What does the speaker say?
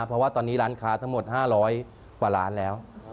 เพราะว่าตอนนี้ร้านค้าทั้งหมด๕๐๐กว่าล้านแล้ว